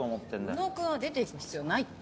浮野くんは出て行く必要ないって。